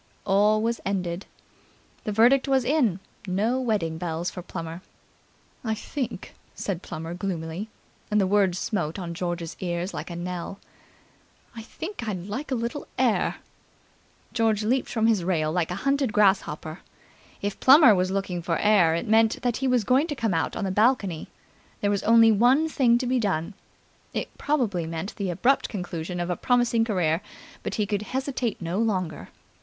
All was ended. The verdict was in. No wedding bells for Plummer. "I think," said Plummer gloomily, and the words smote on George's ear like a knell, "I think I'd like a little air." George leaped from his rail like a hunted grasshopper. If Plummer was looking for air, it meant that he was going to come out on the balcony. There was only one thing to be done. It probably meant the abrupt conclusion of a promising career, but he could hesitate no longer.